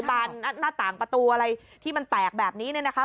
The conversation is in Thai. หน้าต่างประตูอะไรที่มันแตกแบบนี้เนี่ยนะคะ